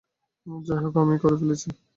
যাই হোক, আমি করে ফেলেছি।